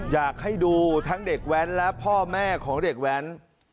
อยากให้ดูทั้งเด็กแว้นและพ่อแม่ของเด็กแว้น